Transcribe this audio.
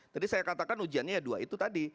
tadi saya katakan ujiannya ya dua itu tadi